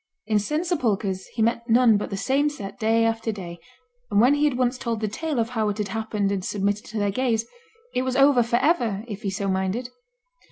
In St Sepulchre's he met none but the same set day after day, and when he had once told the tale of how it happened and submitted to their gaze, it was over for ever, if he so minded.